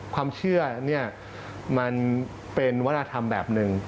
ความเชื่อเนี่ยมันเป็นวัฒนธรรมแบบหนึ่ง